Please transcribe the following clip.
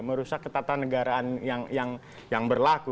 merusak ketatanegaraan yang berlaku